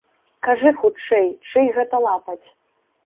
Кажы хутчэй, чый гэта лапаць?